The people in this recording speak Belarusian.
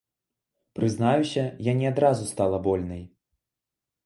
Прызнаюся, я не адразу стала вольнай.